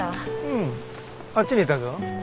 うんあっちにいたぞ。